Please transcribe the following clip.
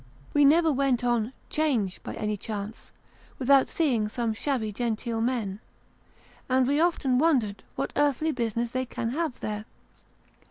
We never went on 'Change, by any chance, without seeing some shabby genteel men, and we have often wondered what earthly business they can have there.